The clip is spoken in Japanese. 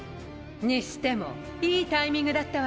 にしてもいいタイミングだったわね。